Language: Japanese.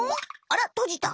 あらとじた。